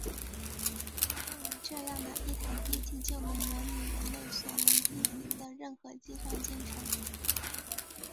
图灵认为这样的一台机器就能模拟人类所能进行的任何计算过程。